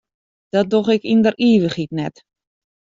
Dat doch ik yn der ivichheid net.